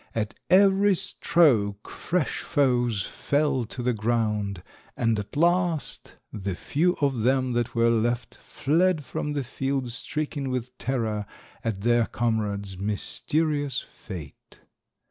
At every stroke fresh foes fell to the ground, and at last the few of them that were left fled from the field stricken with terror at their comrades' mysterious fate.